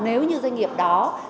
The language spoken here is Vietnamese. nếu như doanh nghiệp đó